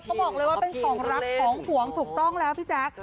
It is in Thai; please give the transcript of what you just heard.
เขาบอกเลยว่าเป็นของรักของห่วงถูกต้องแล้วพี่แจ๊ค